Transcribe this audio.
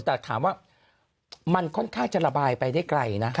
แต่ถามว่ามันค่อนข้างจะระบายไปได้ไกลนะ